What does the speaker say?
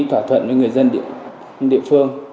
thỏa thuận với người dân địa phương